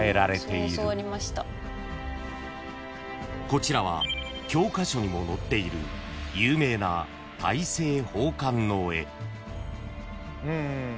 ［こちらは教科書にも載っている有名な大政奉還の絵］